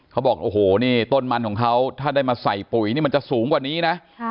เขาบอกต้นมันของเขาถ้าได้มาใส่ปุ๋ยจะสูงกว่านี้นะ